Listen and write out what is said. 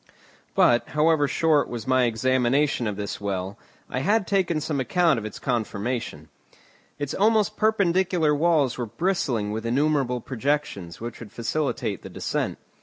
But, however short was my examination of this well, I had taken some account of its conformation. Its almost perpendicular walls were bristling with innumerable projections which would facilitate the descent.